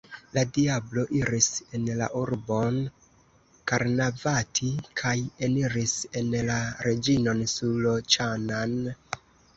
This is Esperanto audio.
La diablo iris en la urbon Karnavati kaj eniris en la reĝinon Suloĉana'n.